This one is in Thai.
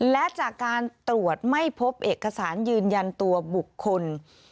และจากการตรวจไม่พบเอกสารยืนยันตัวบุคคล